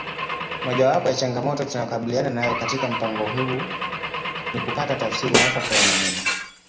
Mojawapo ya changamoto tunayokabiliana nayo katika mpango huu ni kupata tafsiri mwafaka ya maneno